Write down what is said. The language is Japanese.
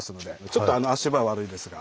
ちょっと足場悪いですが。